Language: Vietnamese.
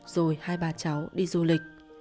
rồi hai ba cháu đi du lịch